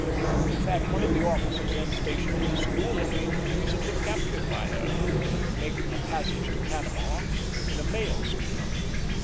In fact, one of the officers then stationed at the school had been recently captured by her, when making a passage to Panama in a mail steamer.